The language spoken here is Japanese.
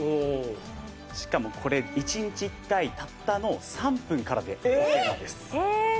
しかもこれ１日１回たったの３分からでオッケーなんです。